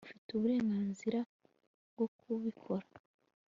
Ufite uburenganzira bwo kubikora